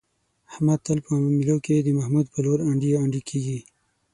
احمد تل په معاملو کې، د محمود په لور انډي انډي کېږي.